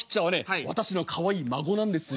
私のかわいい孫なんですよ」。